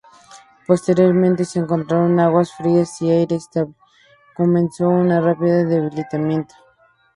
Posteriormente se encontraron aguas frías y aire estable, comenzó un rápido debilitamiento.